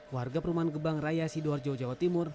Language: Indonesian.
warga perumahan gebang raya sidoarjo jawa timur